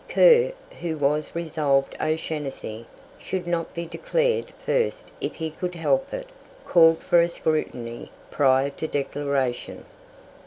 Kerr, who was resolved O'Shanassy should not be declared first if he could help it, called for a scrutiny prior to declaration.